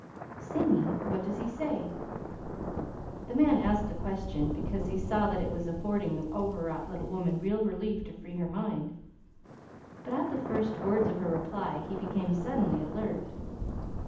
"Singing? What does he say?" The man asked the question because he saw that it was affording the overwrought little woman real relief to free her mind; but at the first words of her reply he became suddenly alert.